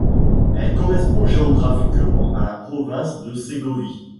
Elle correspond géographiquement à la province de Ségovie.